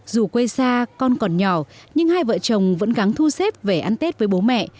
dù quê xa con còn nhỏ nhưng hai vợ chồng vẫn gáng thu xếp về ăn tết với bố mẹ